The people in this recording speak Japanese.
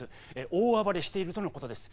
大暴れしているとのことです。